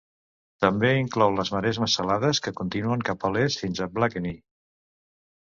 També inclou les maresmes salades que continuen cap a l'est fins a Blakeney.